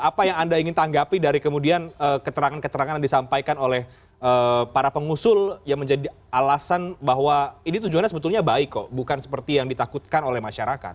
apa yang anda ingin tanggapi dari kemudian keterangan keterangan yang disampaikan oleh para pengusul yang menjadi alasan bahwa ini tujuannya sebetulnya baik kok bukan seperti yang ditakutkan oleh masyarakat